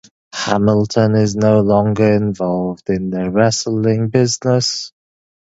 Hamilton is no longer involved in the wrestling business.